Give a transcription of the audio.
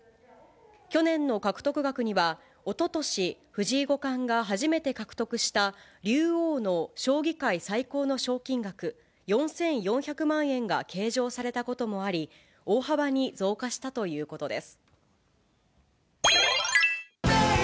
去年の獲得額には、おととし、藤井五冠が初めて獲得した竜王の将棋界最高の賞金額４４００万円が計上されたこともあり、大幅に増加したということです。